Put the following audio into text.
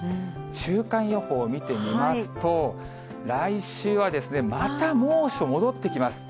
週間予報見てみますと、来週はまた猛暑戻ってきます。